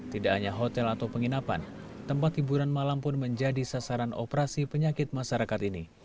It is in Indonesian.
tidak hanya hotel atau penginapan tempat hiburan malam pun menjadi sasaran operasi penyakit masyarakat ini